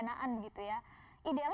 menghadapi satu krisis pendanaan